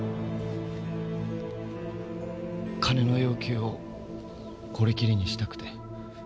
金の要求をこれきりにしたくて。